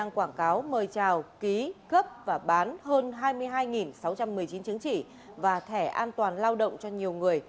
quảng cáo mời trào ký cấp và bán hơn hai mươi hai sáu trăm một mươi chín chứng chỉ và thẻ an toàn lao động cho nhiều người